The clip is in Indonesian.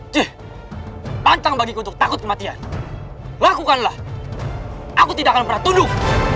jeh pantang bagiku untuk takut kematian lakukanlah aku tidak akan pernah tunduk